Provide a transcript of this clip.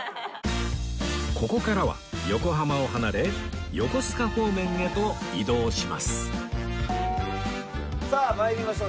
ここからは横浜を離れ横須賀方面へと移動しますさあ参りましょう。